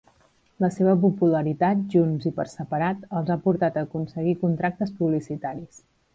La seva popularitat, junts i per separat, els ha portat a aconseguir contractes publicitaris.